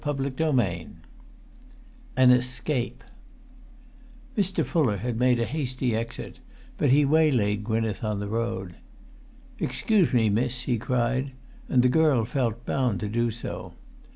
[Pg 323] XXVII AN ESCAPE Mr. Fuller had made a hasty exit; but he waylaid Gwynneth on the road. "Excuse me, miss," he cried, and the girl felt bound to do so.